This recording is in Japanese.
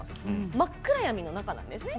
真っ暗闇の中なんですね。